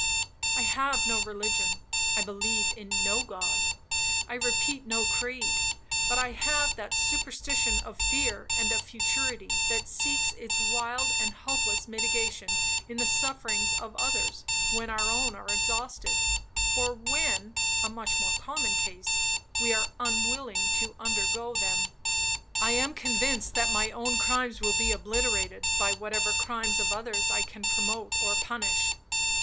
I have no religion, I believe in no God, I repeat no creed, but I have that superstition of fear and of futurity, that seeks its wild and hopeless mitigation in the sufferings of others when our own are exhausted, or when (a much more common case) we are unwilling to undergo them. I am convinced that my own crimes will be obliterated, by whatever crimes of others I can promote or punish.